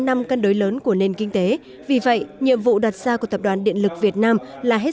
năm cân đối lớn của nền kinh tế vì vậy nhiệm vụ đặt ra của tập đoàn điện lực việt nam là hết